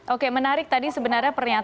oke menarik tadi sebenarnya